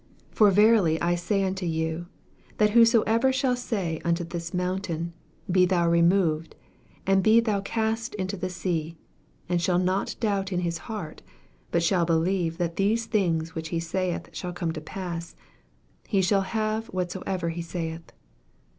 23 For verily I say unto you, That whosoever shall say unto this moun tain, Be thon removed, and be thou cast into the sea ; and shall not doubt in his heart, but shall believe that those things which he saith shall come to pass ; he shall have whatso ever he saith.